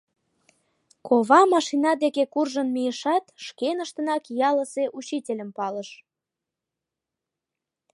Кова машина деке куржын мийышат, шкеныштынак ялысе учительым палыш.